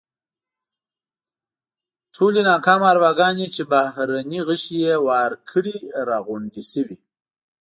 ټولې ناکامه ارواګانې چې بهرني غشي یې وار کړي راغونډې شوې.